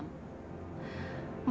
tanpa bantuan siapapun dalam satu malam